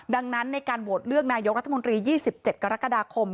ดังนั้นในการโหวตเลือกนายกรัฐมนตรี๒๗กรกฎาคม